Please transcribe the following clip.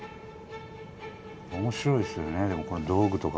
面白いですよねでもこの道具とかもね。